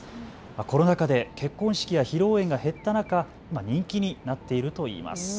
コロナ禍で結婚式や披露宴が減った中、人気になっているといいます。